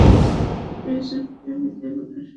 প্রিয়জনকে বিদায় বলার সুযোগও দেয় না।